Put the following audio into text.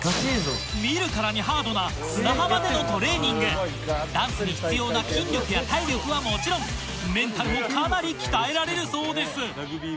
・見るからにハードな砂浜でのトレーニングダンスに必要な筋力や体力はもちろんメンタルもかなり鍛えられるそうです